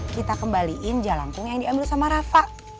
kita kembaliin jalan pun yang diambil sama rafa